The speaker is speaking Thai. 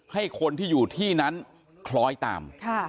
ให้คนที่อยู่ที่นั้นคล้อยตาม